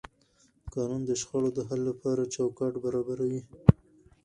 قانون د شخړو د حل لپاره چوکاټ برابروي.